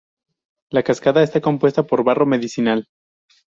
La cascada está compuesta por barro medicinal.